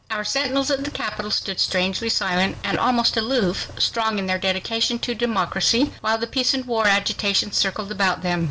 Our sentinels at the Capitol stood strangely silent, and almost aloof, strong in their dedication to democracy, while the peace and war agitation circled about them.